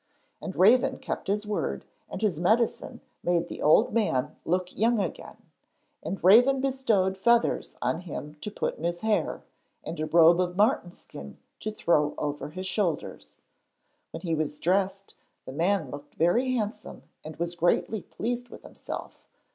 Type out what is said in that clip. And Raven kept his word and his medicine made the old man look young again, and Raven bestowed feathers on him to put in his hair, and a robe of marten skin to throw over his shoulders. When he was dressed the man looked very handsome and was greatly pleased with himself.